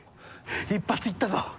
一発いったぞ。